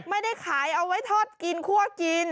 ไม่ได้ขายเอาไว้ทอดกินคั่วกิน